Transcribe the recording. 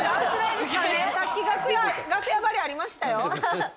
さっき楽屋貼りありましたよ。